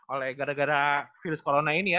oleh gara gara virus corona ini ya